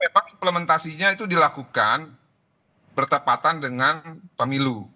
memang implementasinya itu dilakukan bertepatan dengan pemilu